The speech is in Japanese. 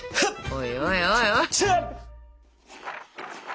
おいおいおいおい！